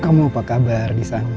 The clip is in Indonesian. kamu apa kabar disana